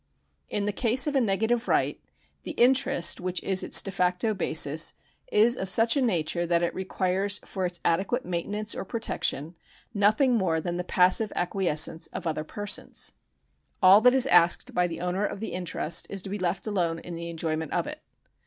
In the case of a negative right the interest which is its de facto basis is of such a nature that it requires for its adequate maintenance or protection nothing more than the passive acquiescence of other persons. All that is asked by the owner of the interest is to be left alone in the enjoyment of it.